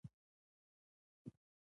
په اجاره ورکولو سره عواید دوه چنده زیاتېږي.